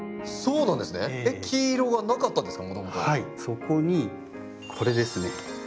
そこにこれですね。